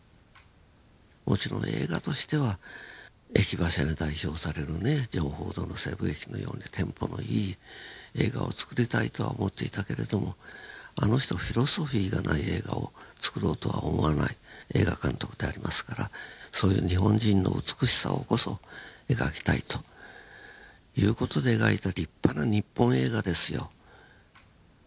もちろん映画としては「駅馬車」に代表されるねジョン・フォードの西部劇のようにテンポのいい映画をつくりたいとは思っていたけれどもあの人フィロソフィーがない映画をつくろうとは思わない映画監督でありますからそういう日本人の美しさをこそ描きたいという事で描いた立派な日本映画ですよ。